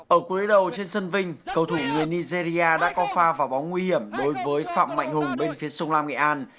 ở cuối đầu trên sân vinh cầu thủ người nigeria đã có pha vào bóng nguy hiểm đối với phạm mạnh hùng bên phía sông lam nghệ an